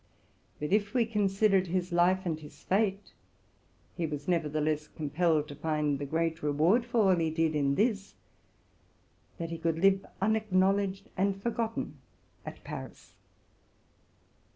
But, if we considered his life and his fate, he was nevertheless compelled to find the great reward for all he did in this, —that he could live unacknowledged and forgotten at Paris.